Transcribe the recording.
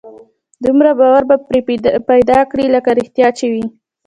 دومره باور به پرې پيدا کړي لکه رښتيا چې وي.